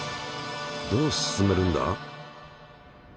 どう進めるんだ？